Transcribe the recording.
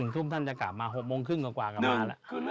ทุ่มท่านจะกลับมา๖โมงครึ่งกว่ากลับมาแล้ว